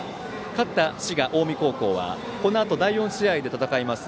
勝った滋賀・近江高校はこのあと第４試合で戦います